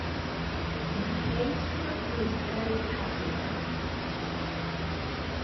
McCay's work was very popular.